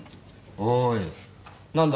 おい何だ。